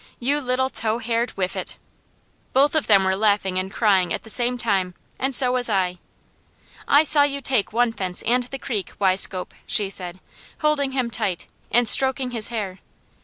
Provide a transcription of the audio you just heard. "You little tow haired whiffet!" Both of them were laughing and crying at the same time, and so was I. "I saw you take one fence and the creek, Weiscope!" she said, holding him tight, and stroking his hair.